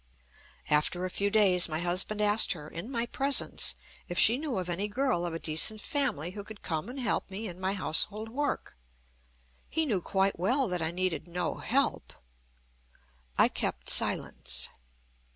After a few days my husband asked her, in my presence, if she knew of any girl of a decent family who could come and help me in my household work. He knew quite well that I needed no help. I kept silence.